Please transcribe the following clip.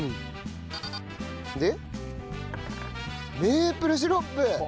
メープルシロップ！